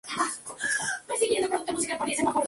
Carpelos numerosos.